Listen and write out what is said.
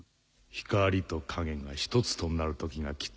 光と影が１つとなる時が来た。